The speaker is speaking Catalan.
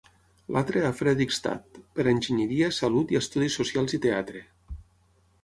L'altre a Fredrikstad, per a enginyeria, salut i estudis socials i teatre.